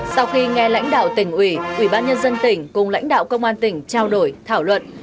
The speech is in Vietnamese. sau khi nghe lãnh đạo tỉnh ủy ủy ban nhân dân tỉnh cùng lãnh đạo công an tỉnh trao đổi thảo luận